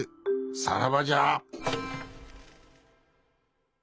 さらばじゃ。